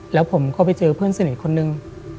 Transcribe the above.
แล้วผมก็ไปเจอเพื่อนสนิทคนนึง